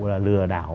là lừa đảo